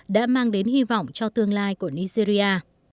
đã mang đến hy vọng cho tương lai của nigeria